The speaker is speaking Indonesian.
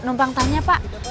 numpang tanya pak